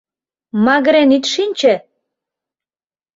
Магырен ит шинче!..